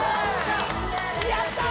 ・やった！